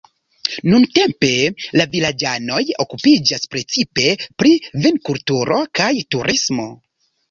Nuntempe la vilaĝanoj okupiĝas precipe pri vinkulturo kaj turismo.